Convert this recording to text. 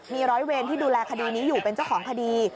มีร้อยเวรที่ดูแลคดีนี้อยู่เป็นเจ้าของคดี